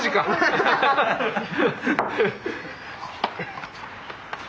アハハハハ！